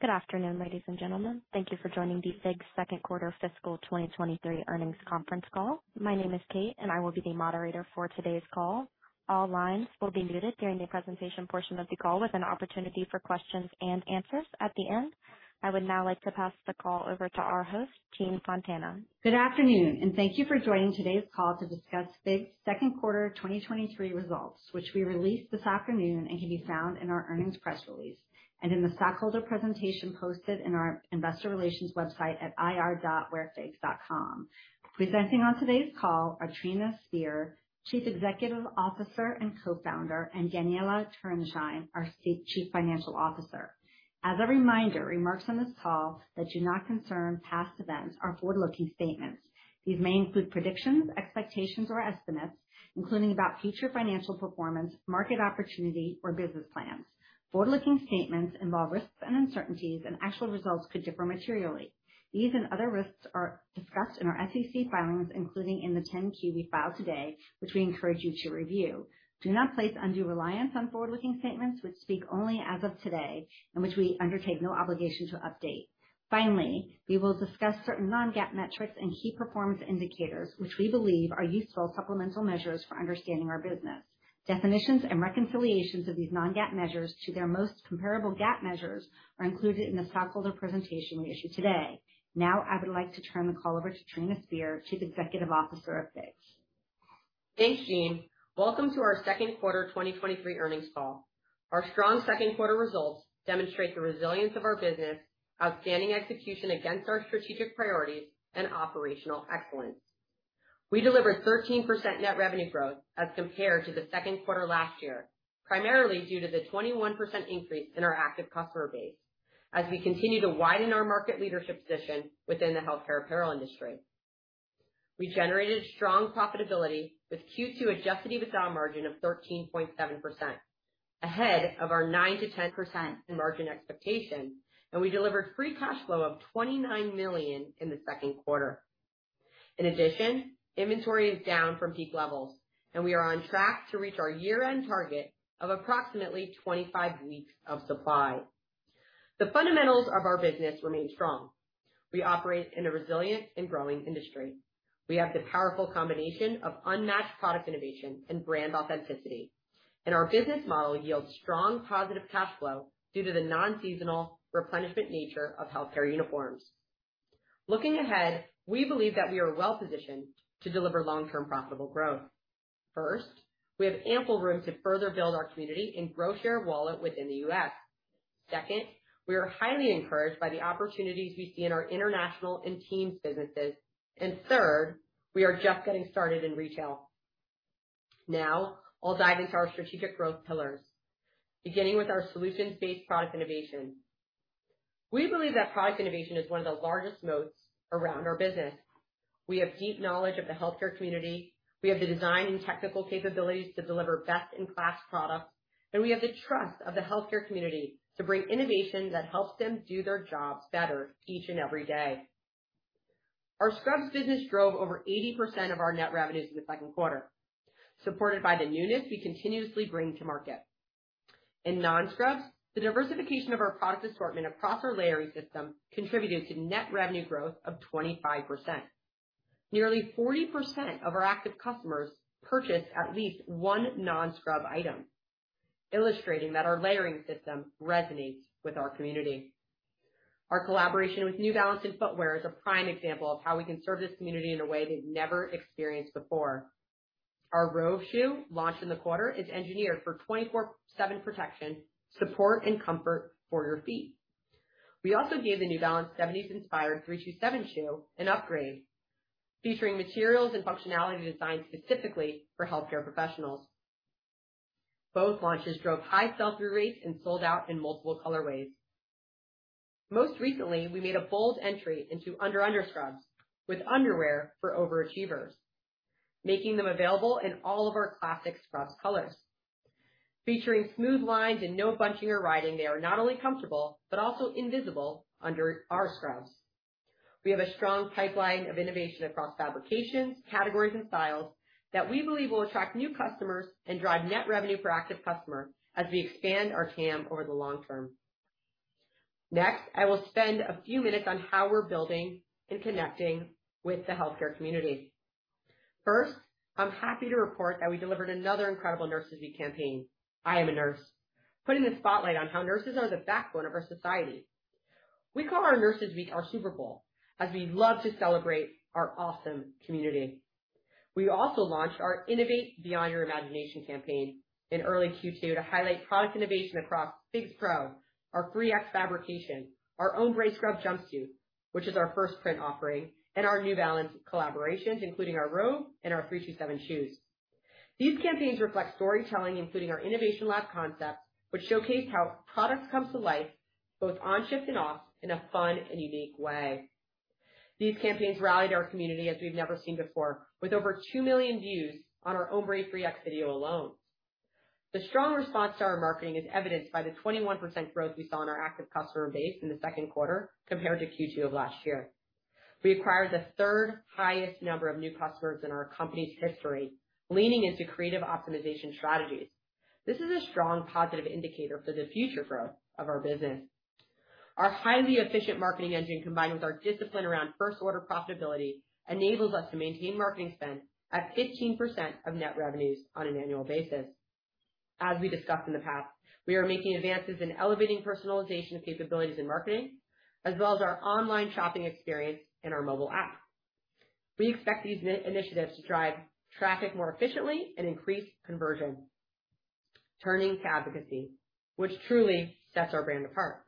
Good afternoon, ladies and gentlemen. Thank you for joining the FIGS' second quarter fiscal 2023 earnings conference call. My name is Kate. I will be the moderator for today's call. All lines will be muted during the presentation portion of the call, with an opportunity for questions and answers at the end. I would now like to pass the call over to our host, Jean Fontana. Good afternoon, and thank you for joining today's call to discuss FIGS' second quarter 2023 results, which we released this afternoon and can be found in our earnings press release and in the stockholder presentation posted in our investor relations website at ir.wearfigs.com. Presenting on today's call are Trina Spear, Chief Executive Officer and Co-founder, and Daniella Turenshine, our Chief Financial Officer. As a reminder, remarks on this call that do not concern past events are forward-looking statements. These may include predictions, expectations, or estimates, including about future financial performance, market opportunity, or business plans. Forward-looking statements involve risks and uncertainties, and actual results could differ materially. These and other risks are discussed in our SEC filings, including in the 10-Q we filed today, which we encourage you to review. Do not place undue reliance on forward-looking statements, which speak only as of today and which we undertake no obligation to update. We will discuss certain non-GAAP metrics and key performance indicators, which we believe are useful supplemental measures for understanding our business. Definitions and reconciliations of these non-GAAP measures to their most comparable GAAP measures are included in the stockholder presentation we issued today. I would like to turn the call over to Trina Spear, Chief Executive Officer of FIGS. Thanks, Jean. Welcome to our second quarter 2023 earnings call. Our strong second quarter results demonstrate the resilience of our business, outstanding execution against our strategic priorities, and operational excellence. We delivered 13% net revenue growth as compared to the second quarter last year, primarily due to the 21% increase in our active customer base as we continue to widen our market leadership position within the healthcare apparel industry. We generated strong profitability with Q2 adjusted EBITDA margin of 13.7%, ahead of our 9%-10% in margin expectation, and we delivered free cash flow of $29,000,000 in the second quarter. In addition, inventory is down from peak levels, and we are on track to reach our year-end target of approximately 25 weeks of supply. The fundamentals of our business remain strong. We operate in a resilient and growing industry. We have the powerful combination of unmatched product innovation and brand authenticity, and our business model yields strong positive cash flow due to the non-seasonal replenishment nature of healthcare uniforms. Looking ahead, we believe that we are well positioned to deliver long-term profitable growth. First, we have ample room to further build our community and grow share of wallet within the US. Second, we are highly encouraged by the opportunities we see in our international and teams businesses. Third, we are just getting started in retail. Now I'll dive into our strategic growth pillars, beginning with our solutions-based product innovation. We believe that product innovation is one of the largest moats around our business. We have deep knowledge of the healthcare community. We have the design and technical capabilities to deliver best-in-class products, and we have the trust of the healthcare community to bring innovation that helps them do their jobs better each and every day. Our scrubs business drove over 80% of our net revenues in the second quarter, supported by the newness we continuously bring to market. In non-scrubs, the diversification of our product assortment and proper layering system contributed to net revenue growth of 25%. Nearly 40% of our active customers purchased at least one non-scrub item, illustrating that our layering system resonates with our community. Our collaboration with New Balance in footwear is a prime example of how we can serve this community in a way they've never experienced before. Our Rove shoe, launched in the quarter, is engineered for 24/7 protection, support, and comfort for your feet. We also gave the New Balance 70s-inspired 327 shoe an upgrade, featuring materials and functionality designed specifically for healthcare professionals. Both launches drove high sell-through rates and sold out in multiple colorways. Most recently, we made a bold entry into Underscrubs with underwear for overachievers, making them available in all of our classic scrubs colors. Featuring smooth lines and no bunching or riding, they are not only comfortable, but also invisible under our scrubs. We have a strong pipeline of innovation across fabrications, categories, and styles that we believe will attract new customers and drive net revenue per active customer as we expand our TAM over the long term. I will spend a few minutes on how we're building and connecting with the healthcare community. First, I'm happy to report that we delivered another incredible Nurses Week campaign, "I Am a Nurse," putting the spotlight on how nurses are the backbone of our society. We call our Nurses Week our Super Bowl, as we love to celebrate our awesome community. We also launched our Innovate Beyond Your Imagination campaign in early Q2 to highlight product innovation across FIGS Pro, our FREEx fabrication, our Ombré scrub jumpsuit, which is our first print offering, and our New Balance collaborations, including our Rove and our 327 shoes. These campaigns reflect storytelling, including our innovation lab concepts, which showcase how products come to life both on shift and off in a fun and unique way. These campaigns rallied our community as we've never seen before, with over 2,000,000 views on our Ombré FREEx video alone. The strong response to our marketing is evidenced by the 21% growth we saw in our active customer base in the second quarter compared to Q2 of last year. We acquired the third highest number of new customers in our company's history, leaning into creative optimization strategies. This is a strong positive indicator for the future growth of our business. Our highly efficient marketing engine, combined with our discipline around first order profitability, enables us to maintain marketing spend at 15% of net revenues on an annual basis. As we discussed in the past, we are making advances in elevating personalization capabilities in marketing, as well as our online shopping experience in our mobile app. We expect these initiatives to drive traffic more efficiently and increase conversion. Turning to advocacy, which truly sets our brand apart.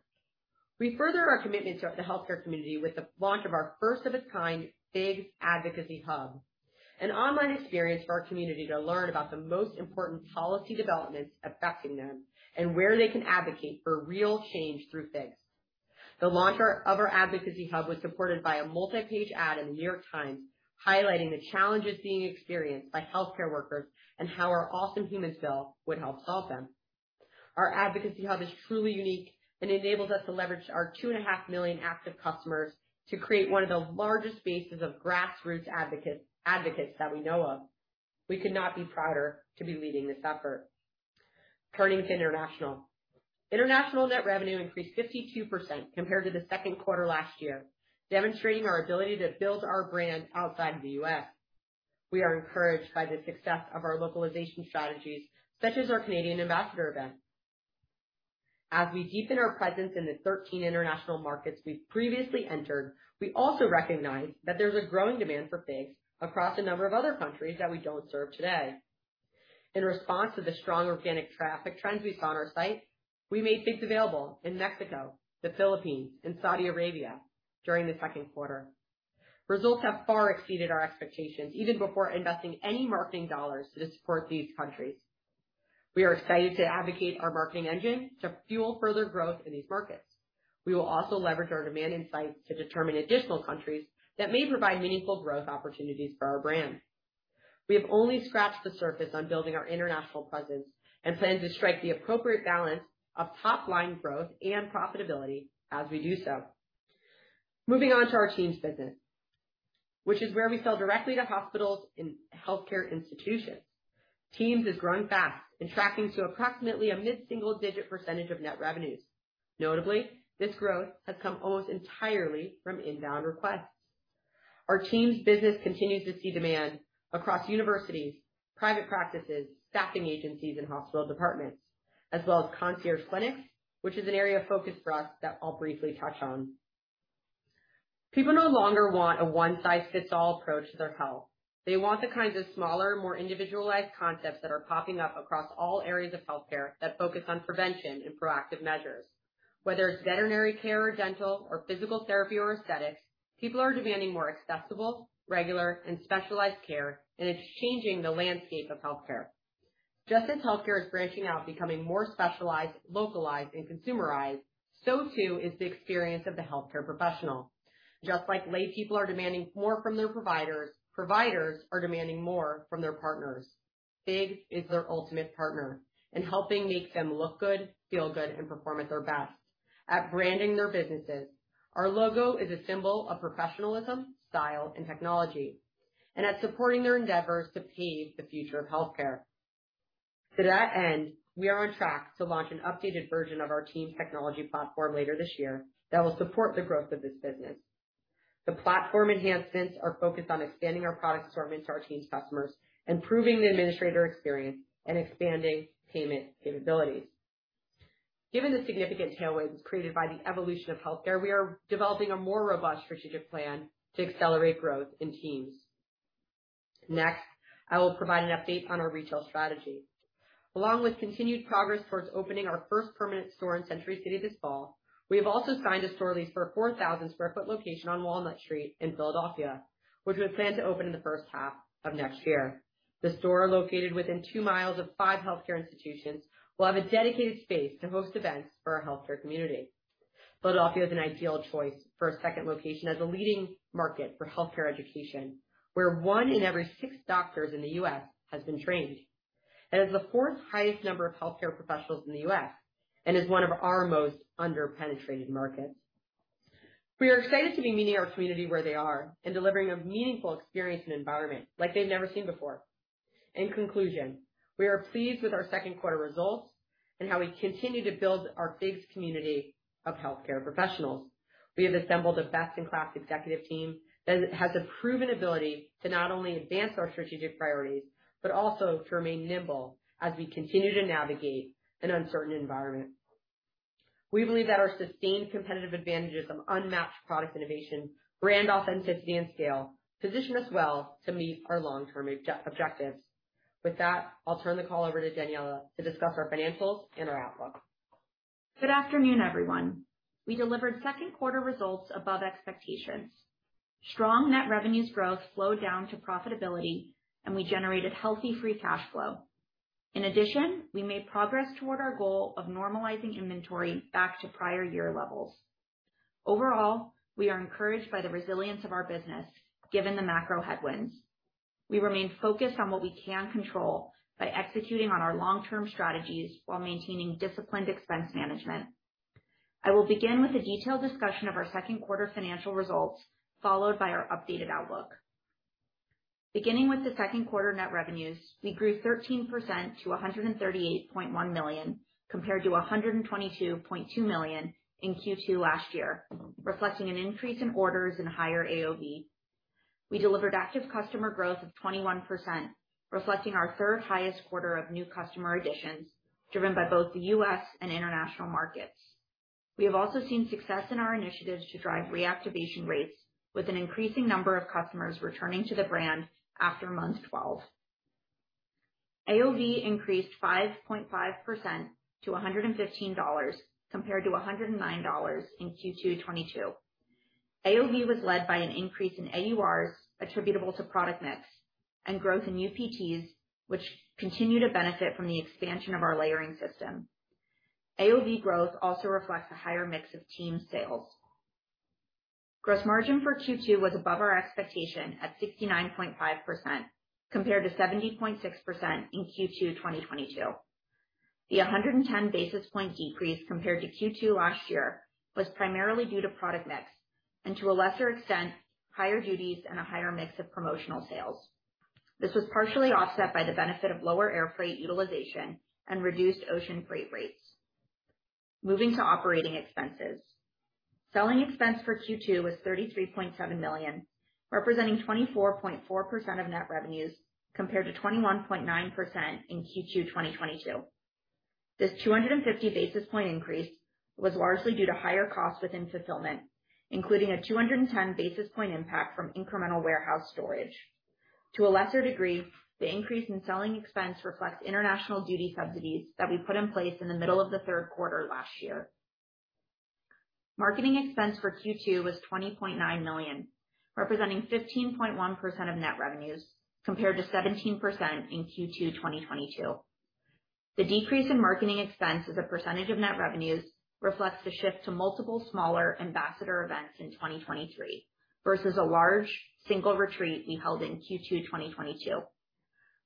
We further our commitment to the healthcare community with the launch of our first of its kind, FIGS Advocacy Hub, an online experience for our community to learn about the most important policy developments affecting them and where they can advocate for real change through FIGS. The launch of our FIGS Advocacy Hub was supported by a multi-page ad in The New York Times, highlighting the challenges being experienced by healthcare workers and how our Awesome Humans Bill would help solve them. Our FIGS Advocacy Hub is truly unique and enables us to leverage our 2,500,000 active customers to create one of the largest bases of grassroots advocates, advocates that we know of. We could not be prouder to be leading this effort. Turning to international. International net revenue increased 52% compared to the second quarter last year, demonstrating our ability to build our brand outside of the U.S. We are encouraged by the success of our localization strategies, such as our Canadian Ambassador event. As we deepen our presence in the 13 international markets we've previously entered, we also recognize that there's a growing demand for FIGS across a number of other countries that we don't serve today. In response to the strong organic traffic trends we saw on our site, we made FIGS available in Mexico, the Philippines, and Saudi Arabia during the second quarter. Results have far exceeded our expectations, even before investing any marketing dollars to support these countries. We are excited to advocate our marketing engine to fuel further growth in these markets. We will also leverage our demand insights to determine additional countries that may provide meaningful growth opportunities for our brand. We have only scratched the surface on building our international presence and plan to strike the appropriate balance of top-line growth and profitability as we do so. Moving on to our Teams Business, which is where we sell directly to hospitals and healthcare institutions. Teams is growing fast and tracking to approximately a mid-single-digit % of net revenues. Notably, this growth has come almost entirely from inbound requests. Our Teams Business continues to see demand across universities, private practices, staffing agencies, and hospital departments, as well as concierge clinics, which is an area of focus for us that I'll briefly touch on. People no longer want a one-size-fits-all approach to their health. They want the kinds of smaller, more individualized concepts that are popping up across all areas of healthcare that focus on prevention and proactive measures. Whether it's veterinary care or dental or physical therapy or aesthetics, people are demanding more accessible, regular, and specialized care, and it's changing the landscape of healthcare. Just as healthcare is branching out, becoming more specialized, localized, and consumerized, so too is the experience of the healthcare professional. Just like laypeople are demanding more from their providers, providers are demanding more from their partners. FIGS is their ultimate partner in helping make them look good, feel good, and perform at their best. At branding their businesses, our logo is a symbol of professionalism, style, and technology, and at supporting their endeavors to pave the future of healthcare. To that end, we are on track to launch an updated version of our Teams technology platform later this year that will support the growth of this business. The platform enhancements are focused on expanding our product assortment to our Teams customers, improving the administrator experience, and expanding payment capabilities. Given the significant tailwinds created by the evolution of healthcare, we are developing a more robust strategic plan to accelerate growth in Teams. Next, I will provide an update on our retail strategy. Along with continued progress towards opening our first permanent store in Century City this fall, we have also signed a store lease for a 4,000 square foot location on Walnut Street in Philadelphia, which we plan to open in the first half of next year. The store, located within 2 miles of 5 healthcare institutions, will have a dedicated space to host events for our healthcare community. Philadelphia is an ideal choice for a second location as a leading market for healthcare education, where 1 in every 6 doctors in the U.S. has been trained. It has the 4th highest number of healthcare professionals in the U.S. and is one of our most underpenetrated markets. We are excited to be meeting our community where they are and delivering a meaningful experience and environment like they've never seen before. In conclusion, we are pleased with our second quarter results and how we continue to build our FIGS community of healthcare professionals. We have assembled a best-in-class executive team that has a proven ability to not only advance our strategic priorities, but also to remain nimble as we continue to navigate an uncertain environment. We believe that our sustained competitive advantages of unmatched product innovation, brand authenticity, and scale position us well to meet our long-term objectives. With that, I'll turn the call over to Daniella to discuss our financials and our outlook. Good afternoon, everyone. We delivered second quarter results above expectations. Strong net revenues growth slowed down to profitability, and we generated healthy free cash flow. In addition, we made progress toward our goal of normalizing inventory back to prior year levels. Overall, we are encouraged by the resilience of our business, given the macro headwinds. We remain focused on what we can control by executing on our long-term strategies while maintaining disciplined expense management. I will begin with a detailed discussion of our second quarter financial results, followed by our updated outlook. Beginning with the second quarter net revenues, we grew 13% to $138,100,000, compared to $122,200,000 in Q2 last year, reflecting an increase in orders and higher AOV. We delivered active customer growth of 21%, reflecting our 3rd highest quarter of new customer additions, driven by both the U.S. and international markets. We have also seen success in our initiatives to drive reactivation rates, with an increasing number of customers returning to the brand after month 12. AOV increased 5.5% to $115, compared to $109 in Q2 2022. AOV was led by an increase in AURs attributable to product mix and growth in UPTs, which continue to benefit from the expansion of our layering system. AOV growth also reflects the higher mix of team sales. Gross margin for Q2 was above our expectation at 69.5%, compared to 70.6% in Q2 2022. The 110 basis point decrease compared to Q2 last year, was primarily due to product mix and to a lesser extent, higher duties and a higher mix of promotional sales. This was partially offset by the benefit of lower air freight utilization and reduced ocean freight rates. Moving to operating expenses. Selling expense for Q2 was $33,700,000, representing 24.4% of net revenues, compared to 21.9% in Q2 2022. This 250 basis point increase was largely due to higher costs within fulfillment, including a 210 basis point impact from incremental warehouse storage. To a lesser degree, the increase in selling expense reflects international duty subsidies that we put in place in the middle of the third quarter last year. Marketing expense for Q2 was $20,900,000, representing 15.1% of net revenues, compared to 17% in Q2 2022. The decrease in marketing expense as a percentage of net revenues, reflects the shift to multiple smaller ambassador events in 2023, versus a large single retreat we held in Q2 2022.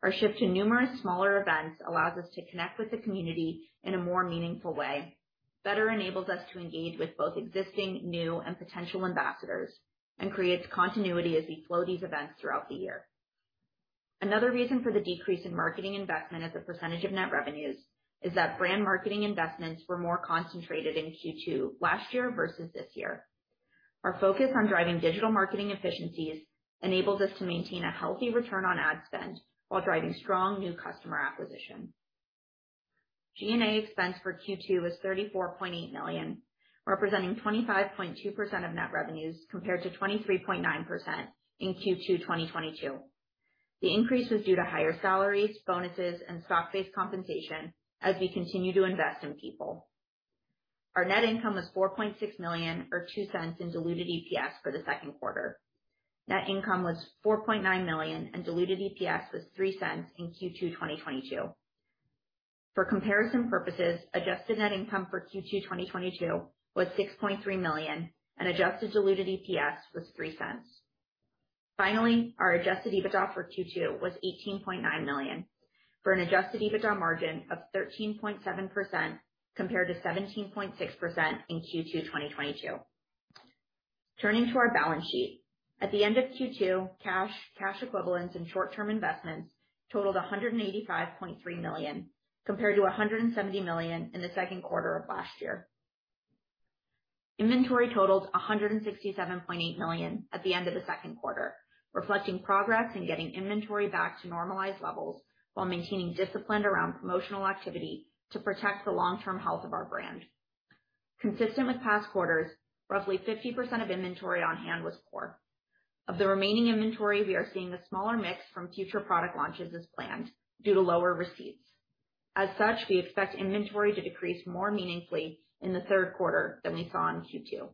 Our shift to numerous smaller events allows us to connect with the community in a more meaningful way, better enables us to engage with both existing, new, and potential ambassadors, and creates continuity as we flow these events throughout the year. Another reason for the decrease in marketing investment as a percentage of net revenues, is that brand marketing investments were more concentrated in Q2 last year versus this year. Our focus on driving digital marketing efficiencies enables us to maintain a healthy return on ad spend while driving strong new customer acquisition. G&A expense for Q2 was $34,800,000, representing 25.2% of net revenues, compared to 23.9% in Q2 2022. The increase was due to higher salaries, bonuses, and stock-based compensation as we continue to invest in people. Our net income was $4,600,000, or $0.02 in diluted EPS for the second quarter. Net income was $4,900,000, and diluted EPS was $0.03 in Q2 2022. For comparison purposes, adjusted net income for Q2 2022 was $6,300,000, and adjusted diluted EPS was $0.03. Finally, our adjusted EBITDA for Q2 was $18,900,000, for an adjusted EBITDA margin of 13.7%, compared to 17.6% in Q2 2022. Turning to our balance sheet. At the end of Q2, cash, cash equivalents, and short-term investments totaled $185,300,000, compared to $170,000,000 in the second quarter of last year. Inventory totaled $167,800,000 at the end of the second quarter, reflecting progress in getting inventory back to normalized levels while maintaining discipline around promotional activity to protect the long-term health of our brand. Consistent with past quarters, roughly 50% of inventory on hand was core. Of the remaining inventory, we are seeing a smaller mix from future product launches as planned, due to lower receipts. As such, we expect inventory to decrease more meaningfully in the third quarter than we saw in Q2.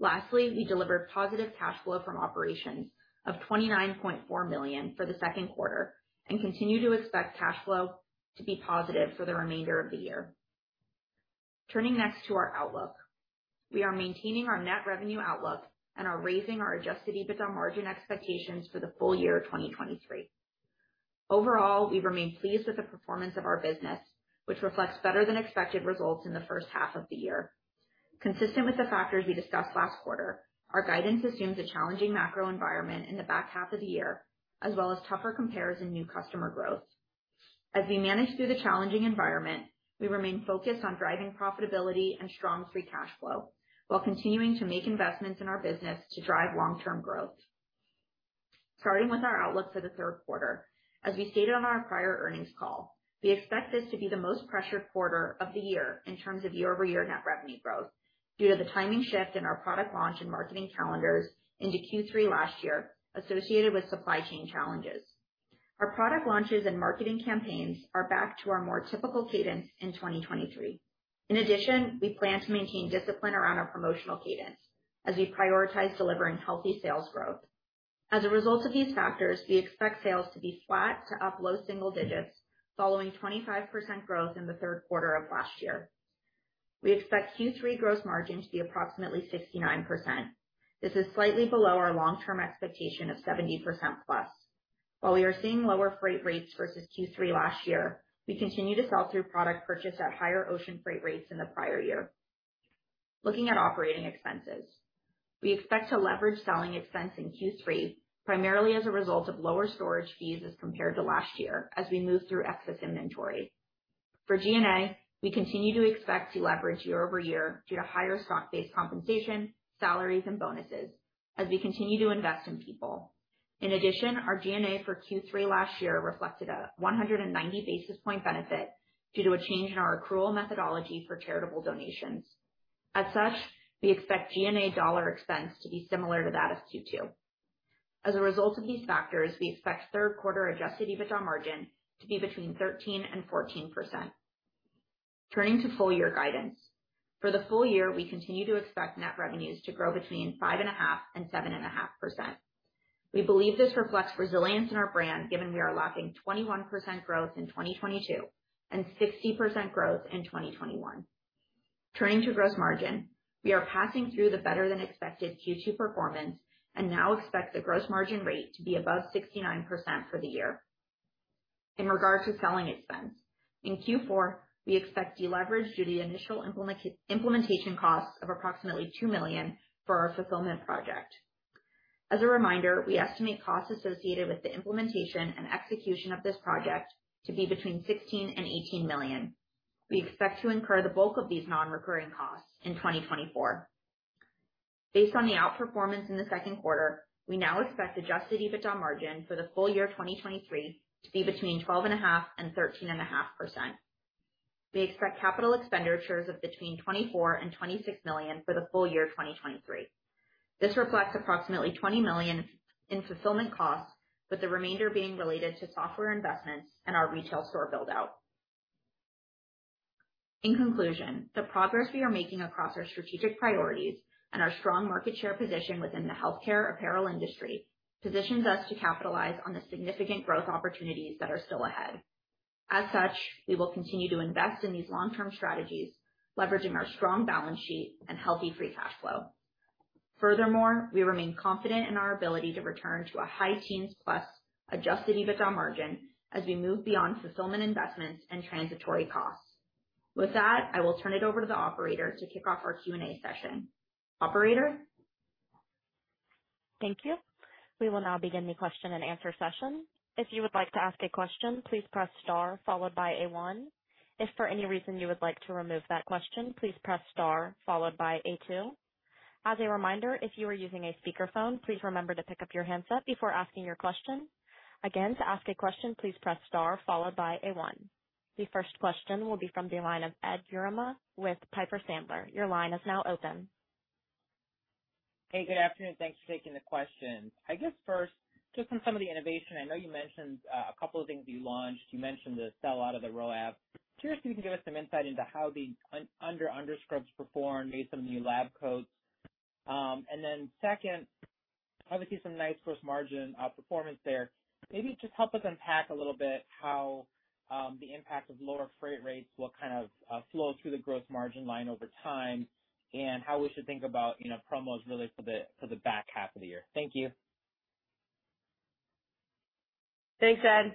Lastly, we delivered positive cash flow from operations of $29,400,000 for the second quarter, and continue to expect cash flow to be positive for the remainder of the year. Turning next to our outlook. We are maintaining our net revenue outlook and are raising our adjusted EBITDA margin expectations for the full year of 2023. Overall, we remain pleased with the performance of our business, which reflects better than expected results in the first half of the year. Consistent with the factors we discussed last quarter, our guidance assumes a challenging macro environment in the back half of the year, as well as tougher compares in new customer growth. As we manage through the challenging environment, we remain focused on driving profitability and strong free cash flow, while continuing to make investments in our business to drive long-term growth. Starting with our outlook for the third quarter. As we stated on our prior earnings call, we expect this to be the most pressured quarter of the year in terms of year-over-year net revenue growth, due to the timing shift in our product launch and marketing calendars into Q3 last year, associated with supply chain challenges. Our product launches and marketing campaigns are back to our more typical cadence in 2023. We plan to maintain discipline around our promotional cadence as we prioritize delivering healthy sales growth. As a result of these factors, we expect sales to be flat to up low single digits, following 25% growth in the third quarter of last year. We expect Q3 gross margin to be approximately 69%. This is slightly below our long-term expectation of 70%+. While we are seeing lower freight rates versus Q3 last year, we continue to sell through product purchased at higher ocean freight rates in the prior year. Looking at operating expenses, we expect to leverage selling expense in Q3, primarily as a result of lower storage fees as compared to last year as we move through excess inventory. For G&A, we continue to expect to leverage year-over-year due to higher stock-based compensation, salaries, and bonuses as we continue to invest in people. In addition, our G&A for Q3 last year reflected a 190 basis point benefit due to a change in our accrual methodology for charitable donations. As such, we expect G&A dollar expense to be similar to that of Q2. As a result of these factors, we expect third quarter adjusted EBITDA margin to be between 13% and 14%. Turning to full year guidance. For the full year, we continue to expect net revenues to grow between 5.5% and 7.5%. We believe this reflects resilience in our brand, given we are locking 21% growth in 2022, and 60% growth in 2021. Turning to gross margin, we are passing through the better than expected Q2 performance. Now expect the gross margin rate to be above 69% for the year. In regards to selling expense, in Q4, we expect to leverage due to the initial implementation costs of approximately $2,000,000 for our fulfillment project. As a reminder, we estimate costs associated with the implementation and execution of this project to be between $16,000,000 and $18,000,000. We expect to incur the bulk of these non-recurring costs in 2024. Based on the outperformance in the 2Q, we now expect adjusted EBITDA margin for the full year of 2023 to be between 12.5%-13.5%. We expect capital expenditures of between $24,000,000-$26,000,000 for the full year of 2023. This reflects approximately $20,000,000 in fulfillment costs, with the remainder being related to software investments and our retail store buildout. In conclusion, the progress we are making across our strategic priorities and our strong market share position within the healthcare apparel industry, positions us to capitalize on the significant growth opportunities that are still ahead. As such, we will continue to invest in these long-term strategies, leveraging our strong balance sheet and healthy free cash flow. We remain confident in our ability to return to a high teens plus adjusted EBITDA margin as we move beyond fulfillment investments and transitory costs. With that, I will turn it over to the operator to kick off our Q&A session. Operator? Thank you. We will now begin the question and answer session. If you would like to ask a question, please press star followed by a 1. If for any reason you would like to remove that question, please press star followed by a 2. As a reminder, if you are using a speakerphone, please remember to pick up your handset before asking your question. Again, to ask a question, please press star followed by a 1. The first question will be from the line of Ed Yruma with Piper Sandler. Your line is now open. Hey, good afternoon. Thanks for taking the question. I guess first, just on some of the innovation, I know you mentioned a couple of things you launched. You mentioned the sell out of the Rove. Curious if you can give us some insight into how the Under Underscrubs performed based on the new lab coats. Second, obviously some nice gross margin performance there. Maybe just help us unpack a little bit how the impact of lower freight rates will kind of flow through the gross margin line over time, and how we should think about, you know, promos really for the back half of the year. Thank you. Thanks, Ed.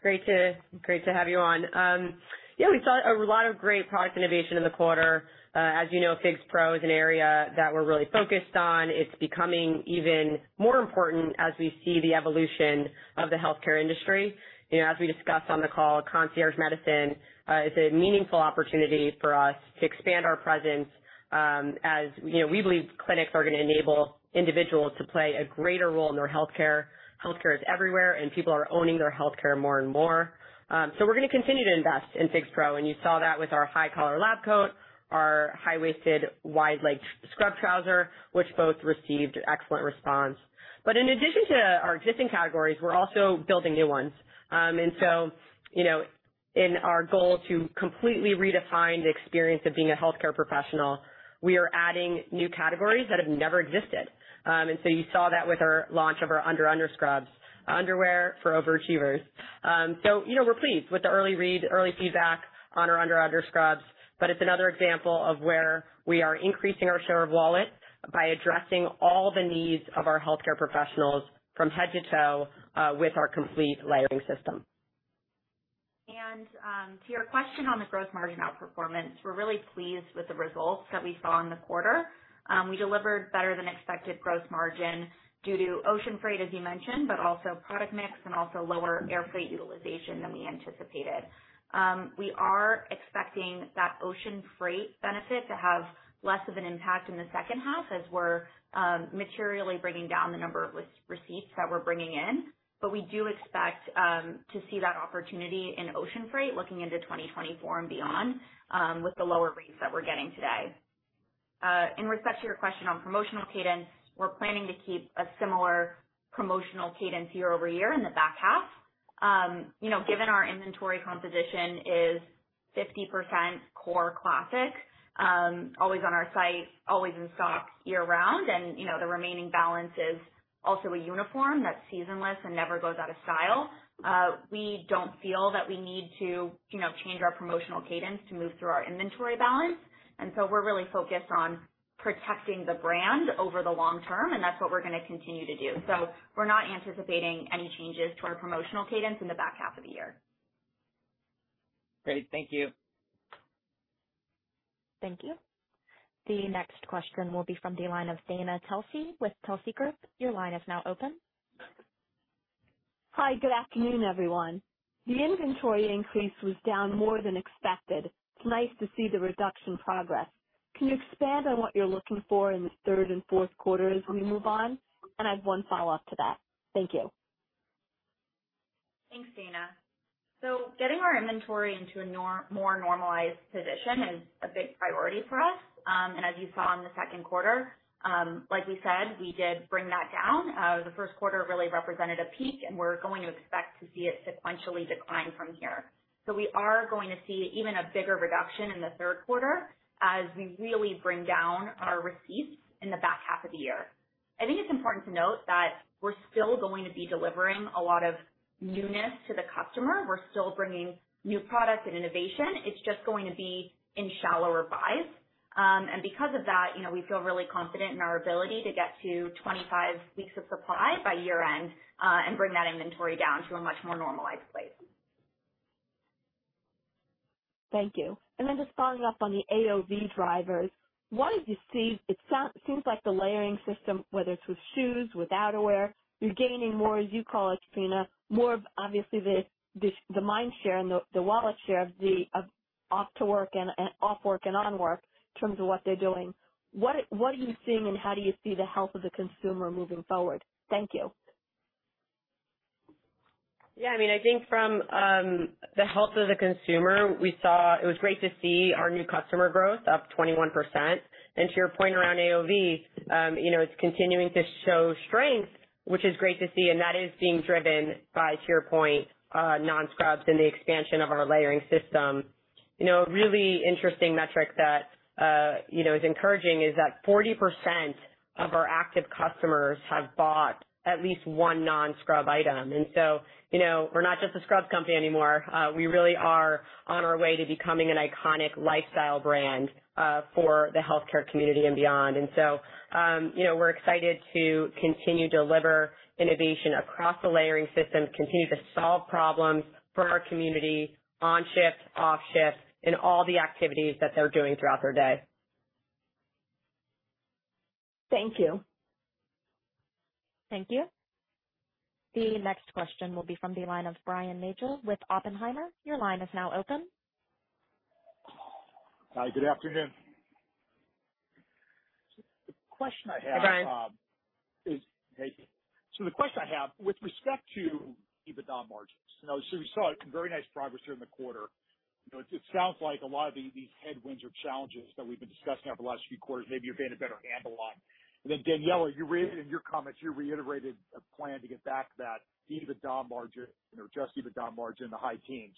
Great to, great to have you on. Yeah, we saw a lot of great product innovation in the quarter. As you know, FIGS Pro is an area that we're really focused on. It's becoming even more important as we see the evolution of the healthcare industry. You know, as we discussed on the call, concierge medicine, is a meaningful opportunity for us to expand our presence, as, you know, we believe clinics are gonna enable individuals to play a greater role in their healthcare. Healthcare is everywhere, and people are owning their healthcare more and more. We're gonna continue to invest in FIGS Pro, and you saw that with our High Collar Lab Coat, our High-Waisted, Wide-Leg Scrub Trouser, which both received excellent response. In addition to our existing categories, we're also building new ones. You know, in our goal to completely redefine the experience of being a healthcare professional, we are adding new categories that have never existed. You saw that with our launch of our Under Underscrubs Scrubs, underwear for overachievers. You know, we're pleased with the early read, early feedback on our Under Underscrubs Scrubs, but it's another example of where we are increasing our share of wallet by addressing all the needs of our healthcare professionals from head to toe with our complete layering system. To your question on the growth margin outperformance, we're really pleased with the results that we saw in the quarter. We delivered better than expected growth margin due to ocean freight, as you mentioned, but also product mix and also lower air freight utilization than we anticipated. We are expecting that ocean freight benefit to have less of an impact in the second half as we're materially bringing down the number of receipts that we're bringing in. We do expect to see that opportunity in ocean freight looking into 2024 and beyond with the lower rates that we're getting today. In respect to your question on promotional cadence, we're planning to keep a similar promotional cadence year-over-year in the back half. You know, given our inventory composition is 50% core classic, always on our site, always in stock, year round, and, you know, the remaining balance is also a uniform that's seasonless and never goes out of style, we don't feel that we need to, you know, change our promotional cadence to move through our inventory balance. We're really focused on-... protecting the brand over the long term, and that's what we're gonna continue to do. We're not anticipating any changes to our promotional cadence in the back half of the year. Great. Thank you. Thank you. The next question will be from the line of Dana Telsey with Telsey Group. Your line is now open. Hi, good afternoon, everyone. The inventory increase was down more than expected. It's nice to see the reduction progress. Can you expand on what you're looking for in the third and fourth quarters as we move on? I have one follow-up to that. Thank you. Thanks, Dana. Getting our inventory into a more normalized position is a big priority for us. As you saw in the second quarter, like we said, we did bring that down. The first quarter really represented a peak, and we're going to expect to see it sequentially decline from here. We are going to see even a bigger reduction in the third quarter as we really bring down our receipts in the back half of the year. I think it's important to note that we're still going to be delivering a lot of newness to the customer. We're still bringing new product and innovation. It's just going to be in shallower buys. Because of that, you know, we feel really confident in our ability to get to 25 weeks of supply by year-end, and bring that inventory down to a much more normalized place. Thank you. Then just following up on the AOV drivers, what did you see? It seems like the layering system, whether it's with shoes, with outerwear, you're gaining more, as you call it, Trina, more of obviously the, the, the mind share and the, the wallet share of the off to work and, and off work and on work in terms of what they're doing. What, what are you seeing, and how do you see the health of the consumer moving forward? Thank you. Yeah, I mean, I think from the health of the consumer, we saw. It was great to see our new customer growth up 21%. To your point around AOV, you know, it's continuing to show strength, which is great to see, and that is being driven by, to your point, non-scrubs and the expansion of our layering system. You know, a really interesting metric that, you know, is encouraging is that 40% of our active customers have bought at least one non-scrub item. You know, we're not just a scrubs company anymore. We really are on our way to becoming an iconic lifestyle brand for the healthcare community and beyond. You know, we're excited to continue to deliver innovation across the layering system, continue to solve problems for our community, on shift, off shift, in all the activities that they're doing throughout their day. Thank you. Thank you. The next question will be from the line of Brian Nagel with Oppenheimer. Your line is now open. Hi, good afternoon. The question I have. Hi, Brian. Hey. The question I have, with respect to EBITDA margins, you know, so we saw a very nice progress during the quarter. You know, it, it sounds like a lot of these, these headwinds or challenges that we've been discussing over the last few quarters, maybe you're getting a better handle on. Daniella, you raised it in your comments, you reiterated a plan to get back that EBITDA margin, or adjusted EBITDA margin in the high teens.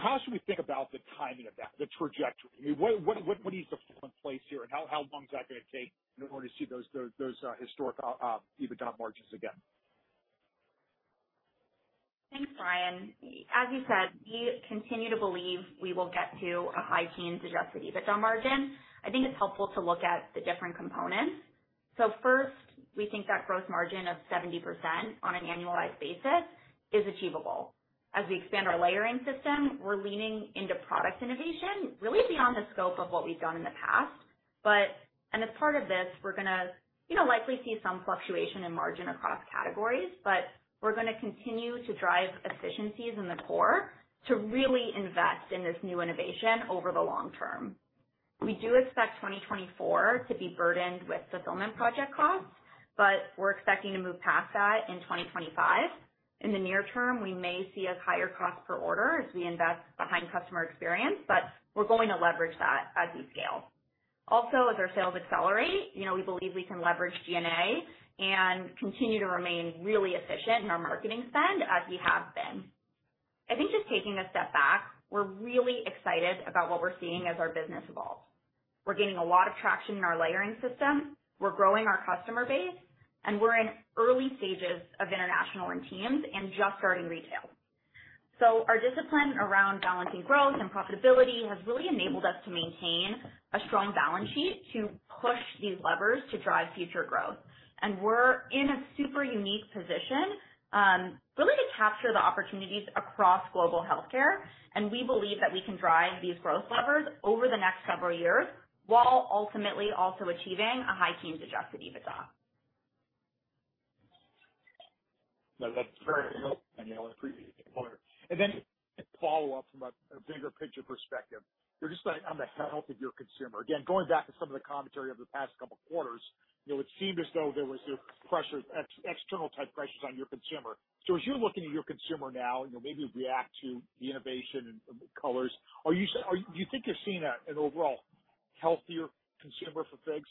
How should we think about the timing of that, the trajectory? I mean, what, what, what needs to fall in place here, and how, how long is that gonna take in order to see those, those historic EBITDA margins again? Thanks, Brian. As you said, we continue to believe we will get to a high teens adjusted EBITDA margin. I think it's helpful to look at the different components. First, we think that gross margin of 70% on an annualized basis is achievable. As we expand our layering system, we're leaning into product innovation, really beyond the scope of what we've done in the past. As part of this, we're gonna, you know, likely see some fluctuation in margin across categories, but we're gonna continue to drive efficiencies in the core to really invest in this new innovation over the long term. We do expect 2024 to be burdened with fulfillment project costs, but we're expecting to move past that in 2025. In the near term, we may see a higher cost per order as we invest behind customer experience, but we're going to leverage that as we scale. Also, as our sales accelerate, you know, we believe we can leverage G&A and continue to remain really efficient in our marketing spend, as we have been. I think just taking a step back, we're really excited about what we're seeing as our business evolves. We're gaining a lot of traction in our layering system. We're growing our customer base, and we're in early stages of international and teams and just starting retail. Our discipline around balancing growth and profitability has really enabled us to maintain a strong balance sheet to push these levers to drive future growth. We're in a super unique position, really to capture the opportunities across global healthcare, and we believe that we can drive these growth levers over the next several years, while ultimately also achieving a high teens adjusted EBITDA. No, that's very helpful, Daniella, appreciate it. Then a follow-up from a bigger picture perspective. You know, just on, on the health of your consumer, again, going back to some of the commentary over the past couple of quarters, you know, it seemed as though there was sort of pressures, external type pressures on your consumer. As you're looking at your consumer now, you know, maybe react to the innovation and the colors, are you Do you think you're seeing an overall healthier consumer for FIGS?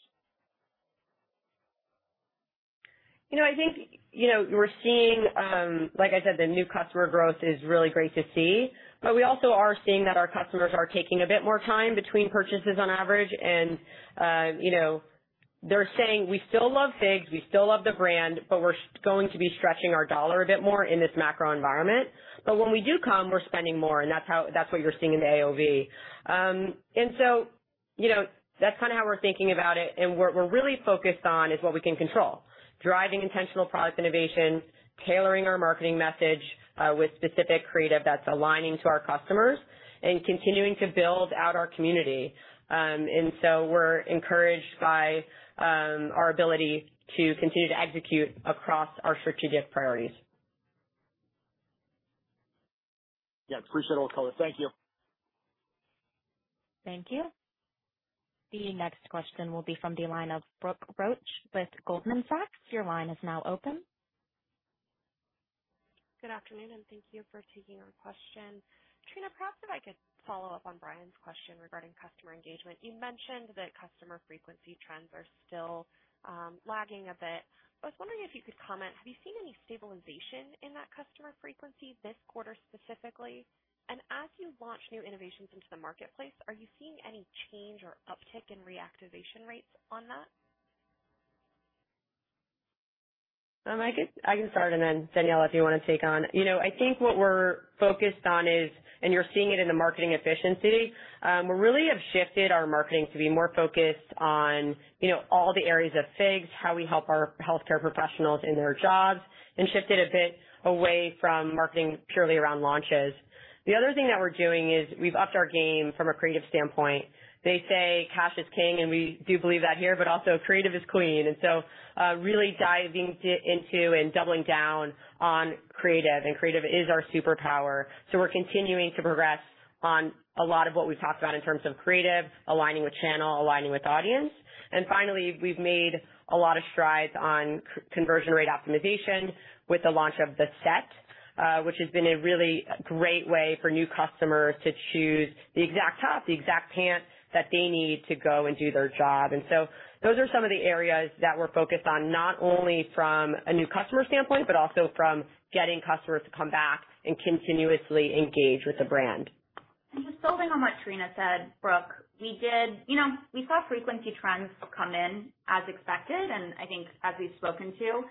You know, I think, you know, we're seeing, like I said, the new customer growth is really great to see, but we also are seeing that our customers are taking a bit more time between purchases on average. They're saying, "We still love FIGS, we still love the brand, but we're going to be stretching our dollar a bit more in this macro environment. When we do come, we're spending more," and that's how, that's what you're seeing in the AOV. You know, that's kind of how we're thinking about it. What we're really focused on is what we can control. Driving intentional product innovation, tailoring our marketing message, with specific creative that's aligning to our customers, and continuing to build out our community. We're encouraged by, our ability to continue to execute across our strategic priorities. Yeah, appreciate all the color. Thank you. Thank you. The next question will be from the line of Brooke Roach with Goldman Sachs. Your line is now open. Good afternoon, thank you for taking our question. Trina, perhaps if I could follow up on Brian's question regarding customer engagement. You mentioned that customer frequency trends are still lagging a bit. I was wondering if you could comment, have you seen any stabilization in that customer frequency this quarter specifically? As you launch new innovations into the marketplace, are you seeing any change or uptick in reactivation rates on that? I can start, and then, Daniella, if you wanna take on. You know, I think what we're focused on is, and you're seeing it in the marketing efficiency, we really have shifted our marketing to be more focused on, you know, all the areas of FIGS, how we help our healthcare professionals in their jobs, and shifted a bit away from marketing purely around launches. The other thing that we're doing is we've upped our game from a creative standpoint. They say cash is king, and we do believe that here, but also creative is queen. Really diving into and doubling down on creative, and creative is our superpower. We're continuing to progress on a lot of what we've talked about in terms of creative, aligning with channel, aligning with audience. Finally, we've made a lot of strides on conversion rate optimization with the launch of the set, which has been a really great way for new customers to choose the exact top, the exact pants, that they need to go and do their job. Those are some of the areas that we're focused on, not only from a new customer standpoint, but also from getting customers to come back and continuously engage with the brand. Just building on what Trina said, Brooke, we did, you know, we saw frequency trends come in as expected, and I think as we've spoken to,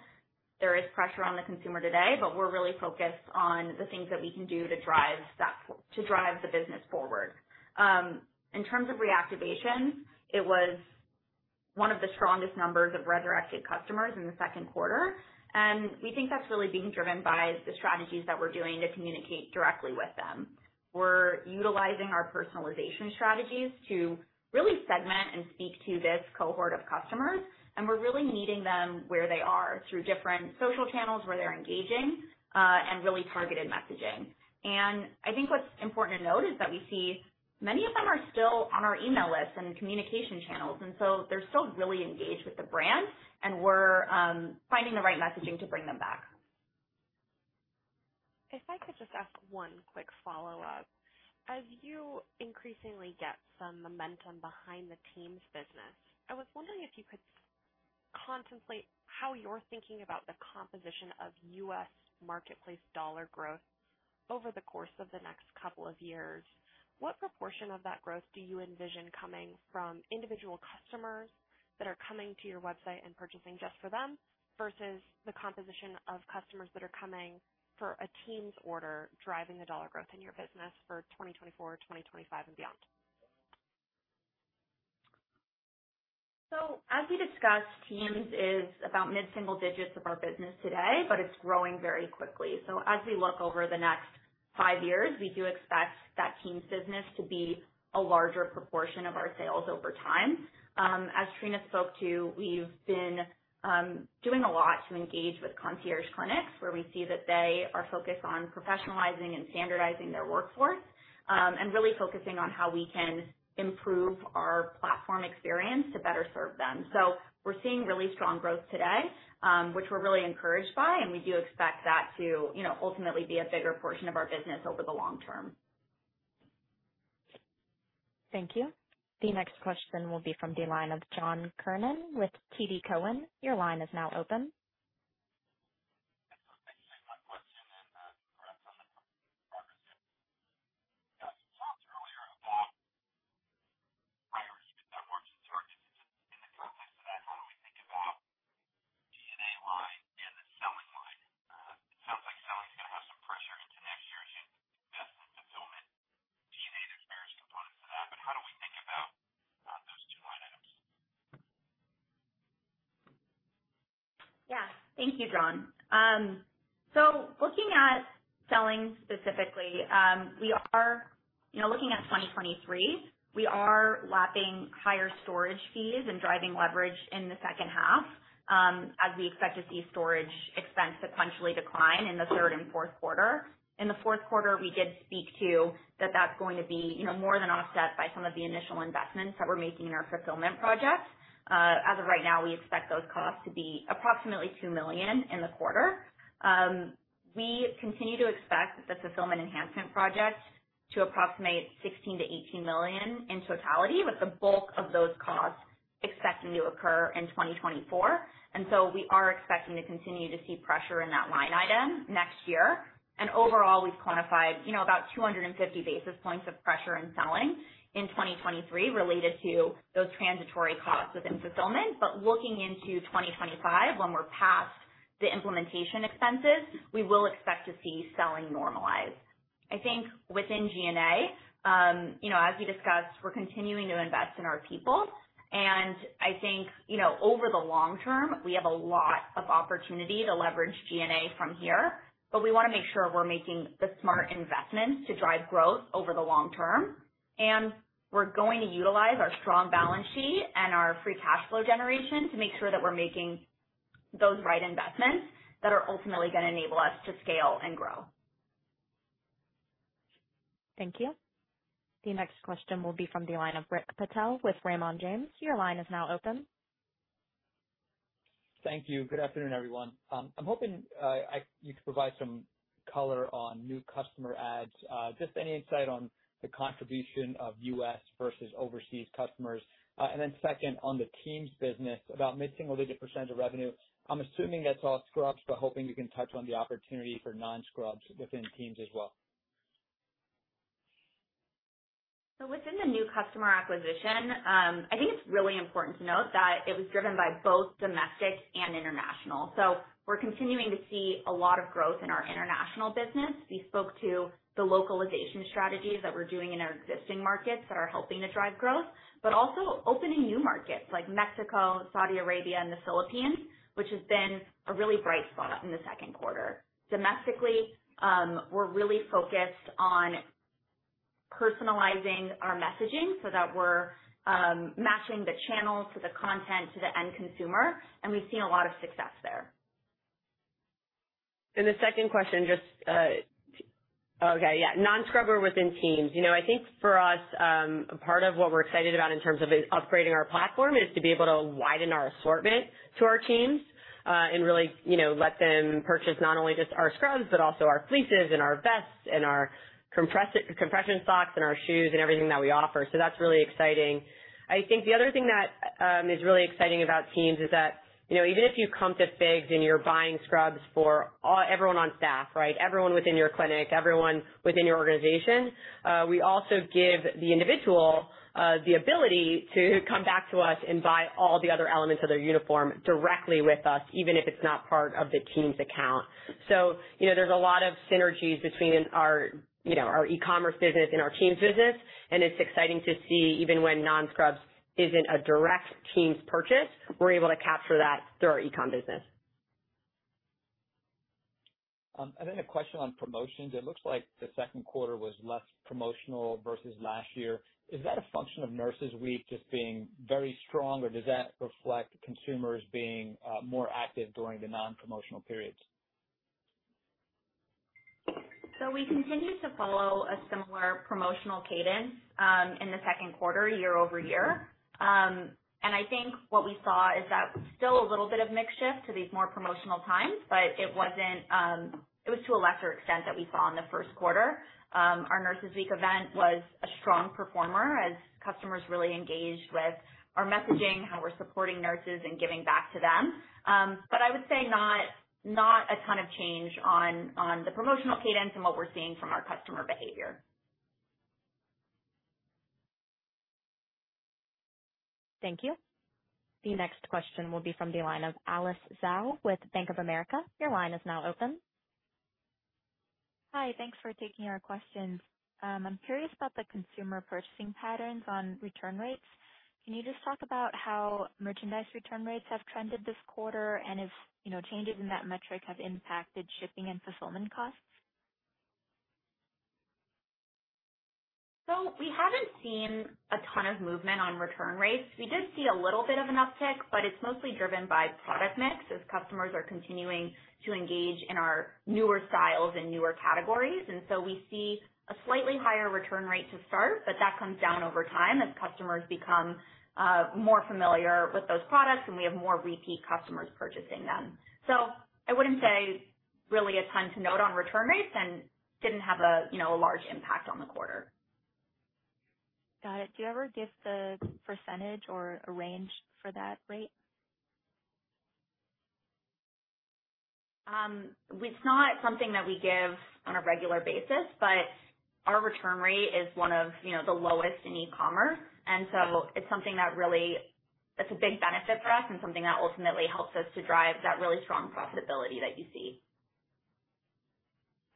there is pressure on the consumer today, but we're really focused on the things that we can do to drive that to drive the business forward. In terms of reactivation, it was one of the strongest numbers of resurrected customers in the second quarter, and we think that's really being driven by the strategies that we're doing to communicate directly with them. We're utilizing our personalization strategies to really segment and speak to this cohort of customers, and we're really meeting them where they are, through different social channels where they're engaging, and really targeted messaging. I think what's important to note is that we see many of them are still on our email list and communication channels, and so they're still really engaged with the brand, and we're finding the right messaging to bring them back. If I could just ask one quick follow-up. As you increasingly get some momentum behind the Teams business, I was wondering if you could contemplate how you're thinking about the composition of U.S. marketplace dollar growth over the course of the next couple of years. What proportion of that growth do you envision coming from individual customers that are coming to your website and purchasing just for them, versus the composition of customers that are coming for a Teams order, driving the dollar growth in your business for 2024, 2025, and beyond? As we discussed, Teams is about mid-single digits of our business today, but it's growing very quickly. As we look over the next 5 years, we do expect that Teams business to be a larger proportion of our sales over time. As Trina spoke to, we've been doing a lot to engage with concierge clinics, where we see that they are focused on professionalizing and standardizing their workforce, and really focusing on how we can improve our platform experience to better serve them. We're seeing really strong growth today, which we're really encouraged by, and we do expect that to, you know, ultimately be a bigger portion of our business over the long term. Thank you. The next question will be from the line of John Kernan with TD Cowen. Your line is now open. Thank you. My question then, earlier about higher storage charges in the complex. How do we think about G&A line and the selling line? It sounds like selling is gonna have some pressure into next year in fulfillment. G&A, there's various components to that, but how do we think about those two line items? Yeah. Thank you, John. You know, looking at 2023, we are lapping higher storage fees and driving leverage in the second half, as we expect to see storage expense sequentially decline in the third and fourth quarter. In the fourth quarter, we did speak to that that's going to be, you know, more than offset by some of the initial investments that we're making in our fulfillment projects. As of right now, we expect those costs to be approximately $2,000,000 in the quarter. We continue to expect the fulfillment enhancement project to approximate $16,000,000-$18,000,000 in totality, with the bulk of those costs expecting to occur in 2024. We are expecting to continue to see pressure in that line item next year. Overall, we've quantified, you know, about 250 basis points of pressure in selling in 2023 related to those transitory costs within fulfillment. Looking into 2025, when we're past the implementation expenses, we will expect to see selling normalize. I think within G&A, you know, as we discussed, we're continuing to invest in our people, and I think, you know, over the long term, we have a lot of opportunity to leverage G&A from here. We wanna make sure we're making the smart investments to drive growth over the long term. We're going to utilize our strong balance sheet and our free cash flow generation to make sure that we're making those right investments that are ultimately gonna enable us to scale and grow. Thank you. The next question will be from the line of Rick Patel with Raymond James. Your line is now open. Thank you. Good afternoon, everyone. I'm hoping you could provide some color on new customer ads. Just any insight on the contribution of U.S. versus overseas customers. Second, on the Teams business, about missing a little bit % of revenue, I'm assuming that's all scrubs, but hoping you can touch on the opportunity for non-scrubs within Teams as well. Within the new customer acquisition, I think it's really important to note that it was driven by both domestic and international. We're continuing to see a lot of growth in our international business. We spoke to the localization strategies that we're doing in our existing markets that are helping to drive growth, but also opening new markets like Mexico, Saudi Arabia, and the Philippines, which has been a really bright spot in the second quarter. Domestically, we're really focused on personalizing our messaging so that we're matching the channel to the content to the end consumer, and we've seen a lot of success there. The second question, just. Okay, yeah. Non-scrubber within teams. You know, I think for us, a part of what we're excited about in terms of upgrading our platform is to be able to widen our assortment to our teams, and really, you know, let them purchase not only just our scrubs, but also our fleeces and our vests and our compression socks and our shoes and everything that we offer. That's really exciting. I think the other thing that is really exciting about teams is that, you know, even if you come to FIGS and you're buying scrubs for all, everyone on staff, right? Everyone within your clinic, everyone within your organization, we also give the individual the ability to come back to us and buy all the other elements of their uniform directly with us, even if it's not part of the Teams Account. You know, there's a lot of synergies between our, you know, our e-commerce business and our Teams business, and it's exciting to see, even when non-scrubs isn't a direct Teams purchase, we're able to capture that through our e-com business. I think a question on promotions. It looks like the second quarter was less promotional versus last year. Is that a function of Nurses Week just being very strong, or does that reflect consumers being more active during the non-promotional periods? We continue to follow a similar promotional cadence in the second quarter, year-over-year. I think what we saw is that still a little bit of mix shift to these more promotional times, but it wasn't. It was to a lesser extent that we saw in the first quarter. Our Nurses Week event was a strong performer as customers really engaged with our messaging, how we're supporting nurses and giving back to them. I would say not, not a ton of change on the promotional cadence and what we're seeing from our customer behavior. Thank you. The next question will be from the line of Alice Xiao with Bank of America. Your line is now open. Hi, thanks for taking our questions. I'm curious about the consumer purchasing patterns on return rates. Can you just talk about how merchandise return rates have trended this quarter, and if, you know, changes in that metric have impacted shipping and fulfillment costs? We haven't seen a ton of movement on return rates. We did see a little bit of an uptick, but it's mostly driven by product mix as customers are continuing to engage in our newer styles and newer categories. We see a slightly higher return rate to start, but that comes down over time as customers become more familiar with those products and we have more repeat customers purchasing them. I wouldn't say really a ton to note on return rates and didn't have a, you know, a large impact on the quarter. Got it. Do you ever give the percentage or a range for that rate? It's not something that we give on a regular basis, but our return rate is one of, you know, the lowest in e-commerce, and so it's something that really, it's a big benefit for us and something that ultimately helps us to drive that really strong profitability that you see.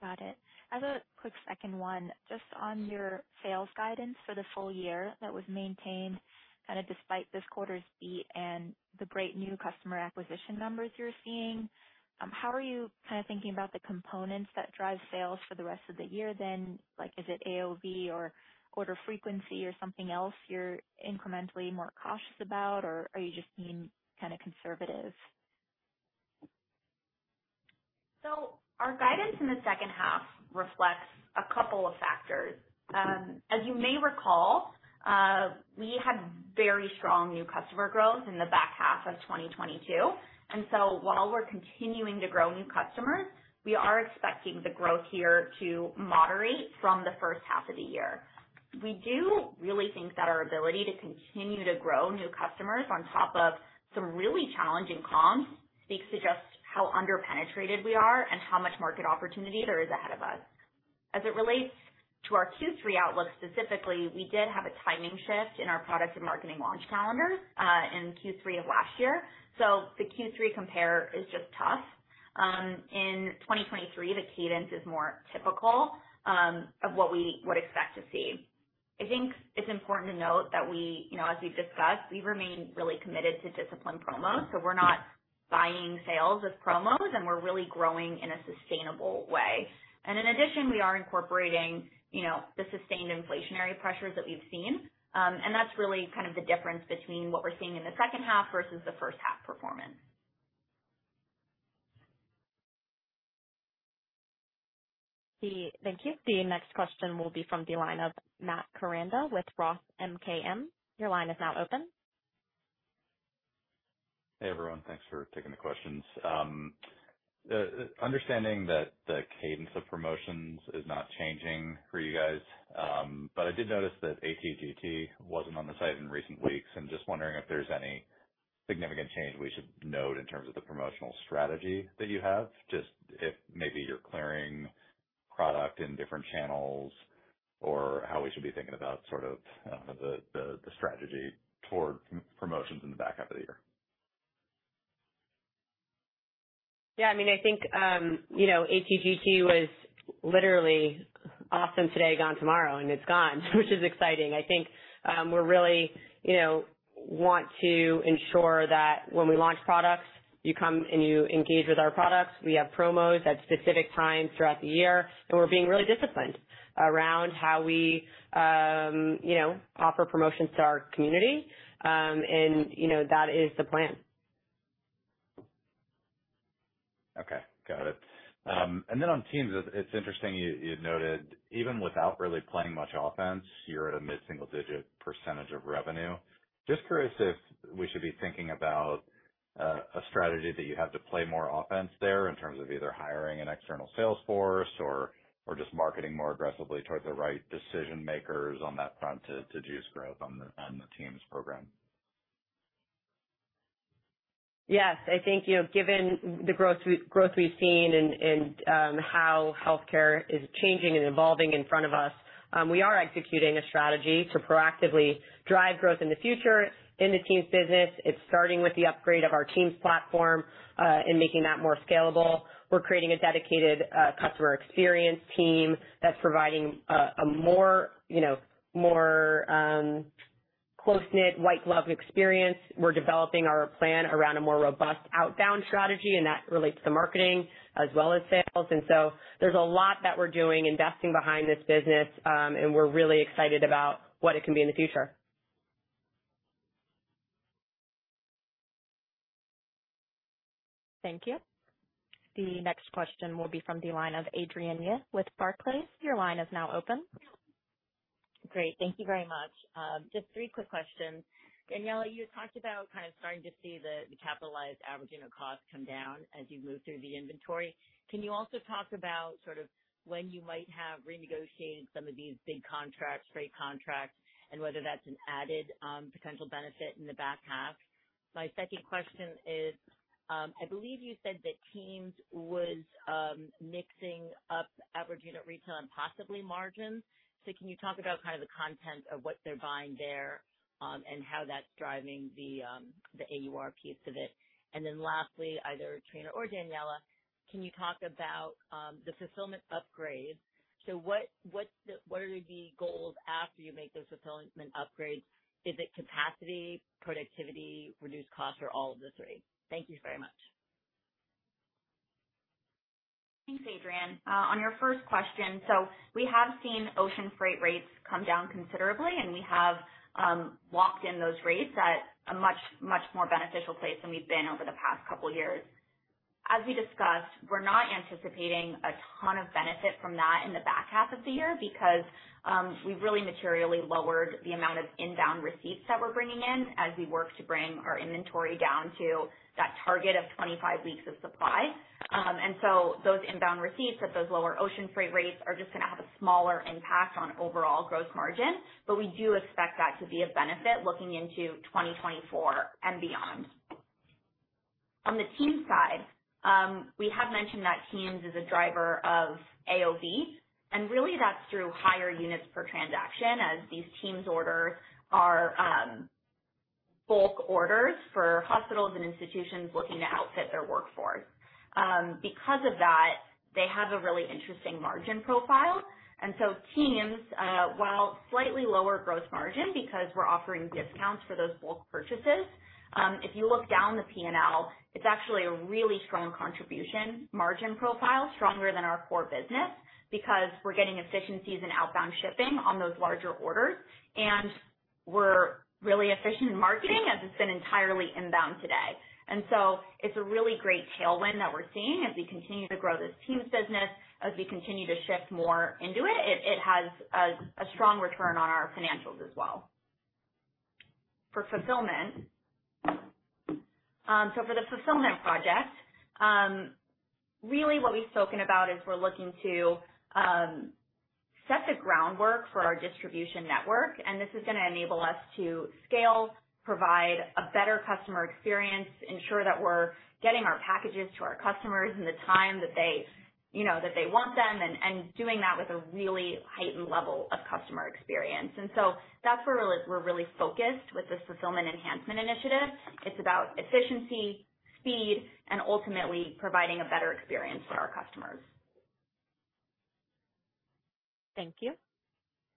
Got it. I have a quick second one, just on your sales guidance for the full year that was maintained kind of despite this quarter's beat and the great new customer acquisition numbers you're seeing. How are you kind of thinking about the components that drive sales for the rest of the year then? Like, is it AOV or order frequency or something else you're incrementally more cautious about, or are you just being kind of conservative? Our guidance in the second half reflects a couple of factors. As you may recall, we had very strong new customer growth in the back half of 2022, and so while we're continuing to grow new customers, we are expecting the growth here to moderate from the first half of the year. We do really think that our ability to continue to grow new customers on top of some really challenging comps speaks to just how under-penetrated we are and how much market opportunity there is ahead of us. As it relates to our Q3 outlook specifically, we did have a timing shift in our product and marketing launch calendars, in Q3 of last year. The Q3 compare is just tough. In 2023, the cadence is more typical of what we would expect to see. I think it's important to note that we, you know, as we've discussed, we remain really committed to disciplined promos. We're not buying sales with promos, and we're really growing in a sustainable way. In addition, we are incorporating, you know, the sustained inflationary pressures that we've seen. That's really kind of the difference between what we're seeing in the second half versus the first half performance. Thank you. The next question will be from the line of Matt Koranda with ROTH MKM. Your line is now open. Hey, everyone. Thanks for taking the questions. Understanding that the cadence of promotions is not changing for you guys, but I did notice that ATGT wasn't on the site in recent weeks. I'm just wondering if there's any significant change we should note in terms of the promotional strategy that you have, just if maybe you're clearing product in different channels, or how we should be thinking about sort of, the, the, strategy toward m- promotions in the back half of the year. Yeah, I mean, I think, you know, ATGT was literally often today, gone tomorrow, and it's gone, which is exciting. I think, we're really, you know, want to ensure that when we launch products, you come and you engage with our products. We have promos at specific times throughout the year, and we're being really disciplined around how we, you know, offer promotions to our community. You know, that is the plan. Okay, got it. Then on Teams, it's, it's interesting you, you noted, even without really playing much offense, you're at a mid-single digit percentage of revenue. Just curious if we should be thinking about a strategy that you have to play more offense there in terms of either hiring an external sales force or, or just marketing more aggressively towards the right decision makers on that front to, to juice growth on the, on the Teams program? Yes, I think, you know, given the growth we, growth we've seen and, and how healthcare is changing and evolving in front of us, we are executing a strategy to proactively drive growth in the future in the Teams business. It's starting with the upgrade of our Teams platform and making that more scalable. We're creating a dedicated customer experience team that's providing a more, you know, more close-knit, white glove experience. We're developing our plan around a more robust outbound strategy, and that relates to marketing as well as sales. So there's a lot that we're doing, investing behind this business, and we're really excited about what it can be in the future. Thank you. The next question will be from the line of Adrienne Yih with Barclays. Your line is now open. Great. Thank you very much. Just three quick questions. Daniella, you talked about kind of starting to see the, the capitalized Average Unit Cost come down as you move through the inventory. Can you also talk about sort of when you might have renegotiated some of these big contracts, freight contracts, and whether that's an added potential benefit in the back half? My second question is, I believe you said that Teams was mixing up Average Unit Retail and possibly margins. Can you talk about kind of the content of what they're buying there, and how that's driving the AUR piece of it? Lastly, either Trina or Daniella, can you talk about the fulfillment upgrade? What are the goals after you make those fulfillment upgrades? Is it capacity, productivity, reduced costs, or all of the 3? Thank you very much. Thanks, Adrienne. On your first question, we have seen ocean freight rates come down considerably, and we have locked in those rates at a much, much more beneficial place than we've been over the past couple years. As we discussed, we're not anticipating a ton of benefit from that in the back half of the year because we've really materially lowered the amount of inbound receipts that we're bringing in as we work to bring our inventory down to that target of 25 weeks of supply. So those inbound receipts at those lower ocean freight rates are just gonna have a smaller impact on overall gross margin. We do expect that to be a benefit looking into 2024 and beyond. On the Teams side, we have mentioned that Teams is a driver of AOV, and really that's through higher units per transaction, as these Teams orders are bulk orders for hospitals and institutions looking to outfit their workforce. Because of that, they have a really interesting margin profile, and Teams, while slightly lower gross margin, because we're offering discounts for those bulk purchases, if you look down the PNL, it's actually a really strong contribution margin profile, stronger than our core business, because we're getting efficiencies in outbound shipping on those larger orders. We're really efficient in marketing as it's been entirely inbound today. It's a really great tailwind that we're seeing as we continue to grow this Teams business, as we continue to shift more into it. It has a strong return on our financials as well. For fulfillment. For the fulfillment project, really what we've spoken about is we're looking to...... set the groundwork for our distribution network, and this is going to enable us to scale, provide a better customer experience, ensure that we're getting our packages to our customers in the time that they, you know, that they want them, and doing that with a really heightened level of customer experience. That's where really- we're really focused with this fulfillment enhancement initiative. It's about efficiency, speed, and ultimately providing a better experience for our customers. Thank you.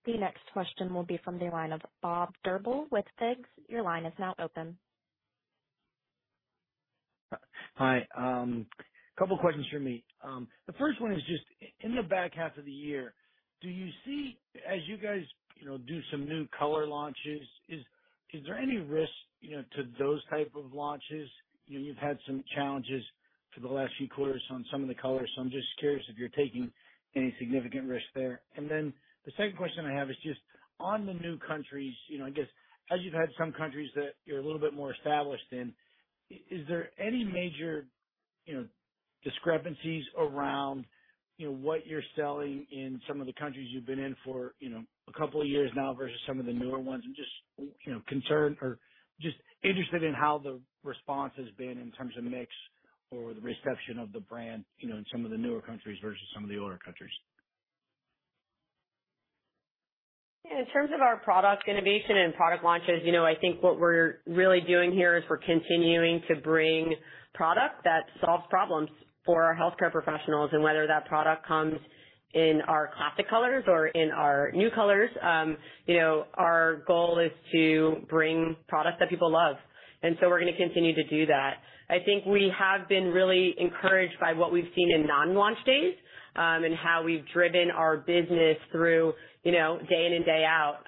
The next question will be from the line of Bob Drbul with BTIG. Your line is now open. Hi, a couple questions from me. The first one is just, in the back half of the year, do you see, as you guys, you know, do some new color launches, is there any risk, you know, to those type of launches? You know, you've had some challenges for the last few quarters on some of the colors, so I'm just curious if you're taking any significant risk there. The second question I have is just on the new countries, you know, I guess as you've had some countries that you're a little bit more established in, is there any major, you know, discrepancies around, you know, what you're selling in some of the countries you've been in for, you know, a couple of years now versus some of the newer ones? Just, you know, concerned or just interested in how the response has been in terms of mix or the reception of the brand, you know, in some of the newer countries versus some of the older countries. In terms of our product innovation and product launches, you know, I think what we're really doing here is we're continuing to bring product that solves problems for our healthcare professionals, and whether that product comes in our classic colors or in our new colors, you know, our goal is to bring products that people love, and so we're gonna continue to do that. I think we have been really encouraged by what we've seen in non-launch days, and how we've driven our business through, you know, day in and day out,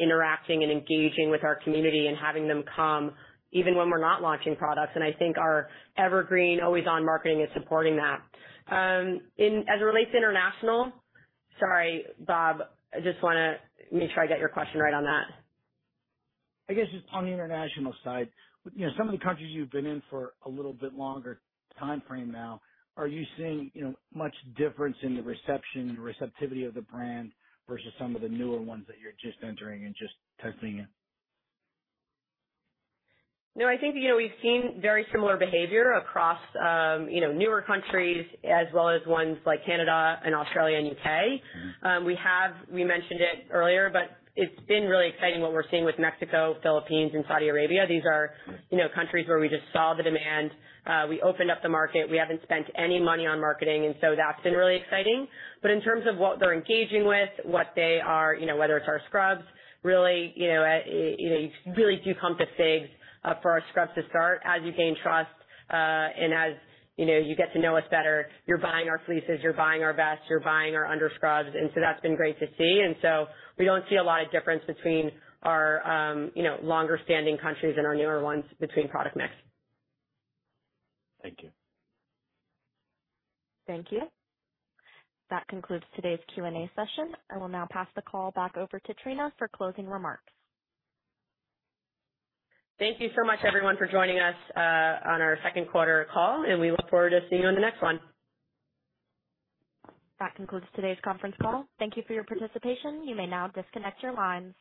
interacting and engaging with our community and having them come even when we're not launching products. I think our evergreen always-on marketing is supporting that. As it relates to international... Sorry, Bob, I just wanna make sure I get your question right on that. I guess just on the international side, you know, some of the countries you've been in for a little bit longer timeframe now, are you seeing, you know, much difference in the reception and receptivity of the brand versus some of the newer ones that you're just entering and just testing in? No, I think, you know, we've seen very similar behavior across, you know, newer countries as well as ones like Canada and Australia and UK. Mm-hmm. We have, we mentioned it earlier, but it's been really exciting what we're seeing with Mexico, Philippines, and Saudi Arabia. These are- Mm. You know, countries where we just saw the demand. We opened up the market. We haven't spent any money on marketing. That's been really exciting. In terms of what they're engaging with, what they are, you know, whether it's our scrubs, really, you know, you really do come to FIGS for our scrubs to start. As you gain trust, and as, you know, you get to know us better, you're buying our fleeces, you're buying our vests, you're buying our Underscrubs. That's been great to see. We don't see a lot of difference between our, you know, longer standing countries and our newer ones between product mix. Thank you. Thank you. That concludes today's Q&A session. I will now pass the call back over to Trina for closing remarks. Thank you so much, everyone, for joining us, on our second quarter call, and we look forward to seeing you on the next one. That concludes today's conference call. Thank you for your participation. You may now disconnect your lines.